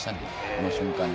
この瞬間に。